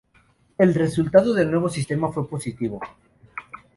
El resultado del nuevo sistema fue positivo.